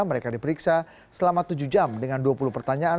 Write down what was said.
mereka diperiksa selama tujuh jam dengan dua puluh pertanyaan